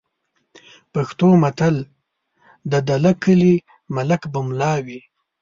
پښتو متل: "د دله کلي ملک به مُلا وي"